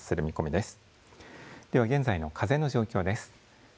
では、現在の風の状況です。